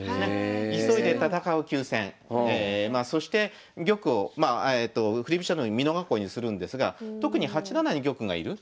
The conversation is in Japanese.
急いで戦う急戦そして玉を振り飛車のように美濃囲いにするんですが特に８七に玉がいる。